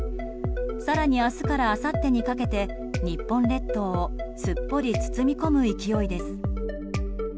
更に、明日からあさってにかけて日本列島をすっぽり包み込む勢いです。